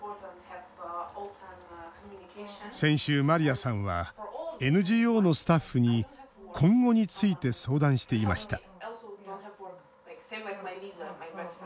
先週、マリアさんはＮＧＯのスタッフに今後について相談していました